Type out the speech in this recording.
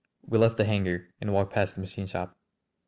We left the hangar and walked past the machine shop.